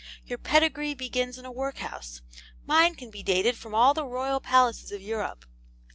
Your pedigree begins in a workhouse; mine can be dated from all the royal palaces of Europe.